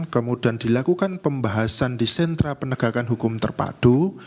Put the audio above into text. kemudian dilakukan pembahasan di sentra penegakan hukum terpadu